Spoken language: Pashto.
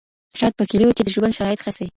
شاید په کليو کې د ژوند شرایط ښه سي.